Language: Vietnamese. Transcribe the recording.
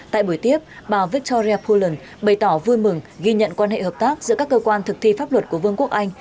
tại buổi tiếp bà victoria pullen bày tỏ vui mừng ghi nhận quan hệ hợp tác giữa các cơ quan thực thi pháp luật của vương quốc anh